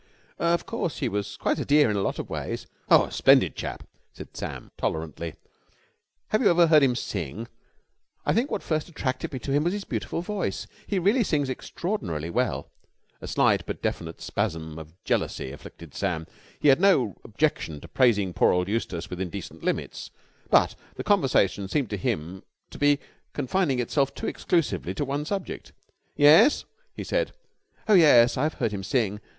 "Of course, he was quite a dear in a lot of ways." "Oh, a splendid chap," said Sam tolerantly. "Have you ever heard him sing? I think what first attracted me to him was his beautiful voice. He really sings extraordinarily well." A slight but definite spasm of jealousy afflicted Sam. He had no objection to praising poor old Eustace within decent limits, but the conversation seemed to him to be confining itself too exclusively to one subject. "Yes?" he said. "Oh yes, I've heard him sing.